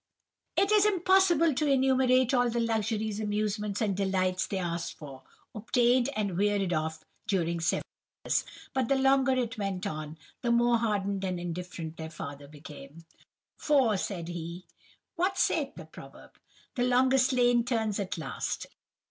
"It is impossible to enumerate all the luxuries, amusements, and delights, they asked for, obtained, and wearied of during several years. But the longer it went on, the more hardened and indifferent their father became. "'For,' said he, 'what saith the proverb? "The longest lane turns at last."